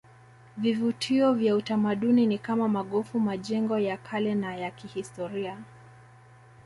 Vivutio vya utamaduni ni kama magofu majengo ya kale na ya kihistoria